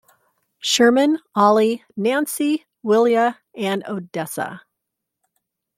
Sherman, Ollie, Nancy, Willia and Odessa.